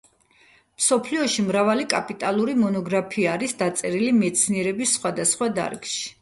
მსოფლიოში მრავალი კაპიტალური მონოგრაფია არის დაწერილი მეცნიერების სხვადასხვა დარგში.